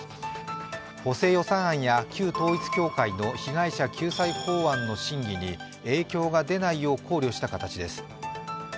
補正予算案や旧統一教会の被害者救済法案の審議に影響が出ないよう考慮した形です。